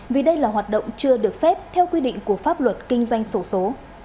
vì đây là hoạt động chưa được phép theo quy định của pháp luật kinh doanh sổ số